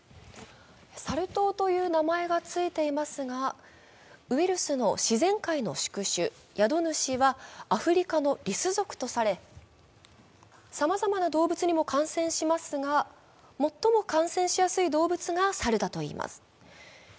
サル痘という名前がついていますがウイルスの自然界の宿主はさまざまな動物にも感染しますが、最も感染しやすい動物が猿だといいます。